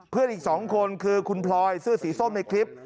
อีก๒คนคือคุณพลอยเสื้อสีส้มในคลิป